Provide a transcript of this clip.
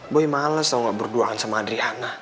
bu males tau nggak berduaan sama adriana